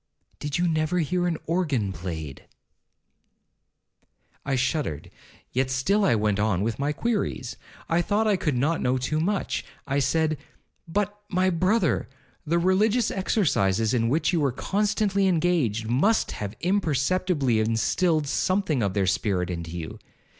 'Did you never hear an organ played?' 1 Vide Madame Genlis's 'Julien Delmour.' 'I shuddered, yet I still went on with my queries—I thought I could not know too much. I said, 'But, my brother, the religious exercises in which you were constantly engaged, must have imperceptibly instilled something of their spirit into you?